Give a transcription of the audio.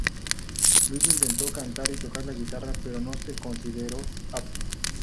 Luis intentó cantar y tocar la guitarra pero no se consideró apto.